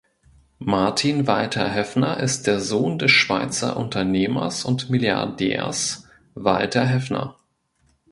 Martin Walter Haefner ist der Sohn des Schweizer Unternehmers und Milliardärs Walter Haefner.